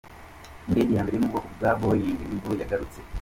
Indege ya mbere yo mu bwoko bwa Boeing - nibwo yagurutse.